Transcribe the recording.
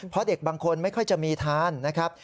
เพราะเด็กบางคนไม่ค่อยจะมีทานนะครับ